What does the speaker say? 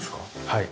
はい。